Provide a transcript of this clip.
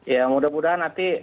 ya mudah mudahan nanti